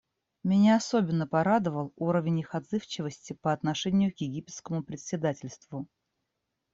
Меня особенно порадовал уровень их отзывчивости по отношению к египетскому председательству.